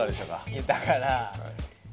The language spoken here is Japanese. いやだから。